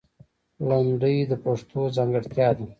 لندۍ د پښتو ځانګړتیا ده